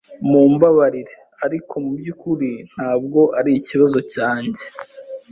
Mumbabarire, ariko mubyukuri ntabwo arikibazo cyanjye.